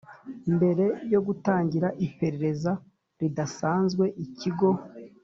Mbere yo gutangira iperereza ridasanzwe ikigo